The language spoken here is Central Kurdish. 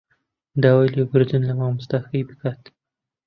داوای لێبوردن لە مامۆستاکەی بکات